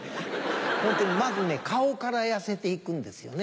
ホントにまずね顔から痩せて行くんですよね。